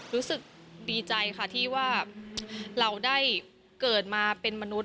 รู้สึกดีใจค่ะที่ว่าเราได้เกิดมาเป็นมนุษย